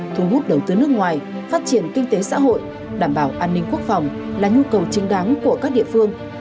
thu hút đầu tư nước ngoài phát triển kinh tế xã hội đảm bảo an ninh quốc phòng là nhu cầu chính đáng của các địa phương